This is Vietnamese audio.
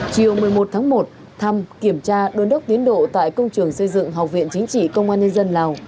chiều một mươi một tháng một thăm kiểm tra đôn đốc tiến độ tại công trường xây dựng học viện chính trị công an nhân dân lào